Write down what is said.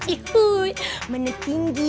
si huy menetenggi